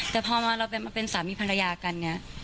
แต่พอมาเราเป็นสามีภรรยากัน